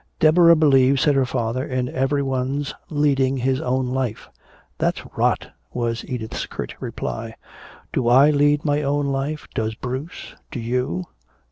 "Deborah believes," said her father, "in everyone's leading his own life." "That's rot," was Edith's curt reply. "Do I lead my own life? Does Bruce? Do you?"